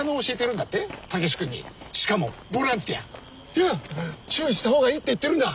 いや注意した方がいいって言ってるんだ